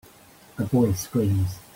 a boy screams.